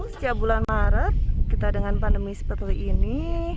setiap bulan maret kita dengan pandemi seperti ini